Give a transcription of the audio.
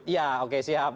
iya oke siap